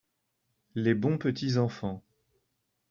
les bons petits enfants.